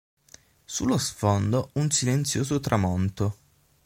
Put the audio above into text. Sullo sfondo, un silenzioso tramonto.